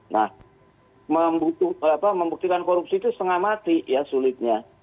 nah membuktikan korupsi itu setengah mati ya sulitnya